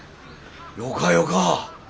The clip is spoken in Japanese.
よかよか。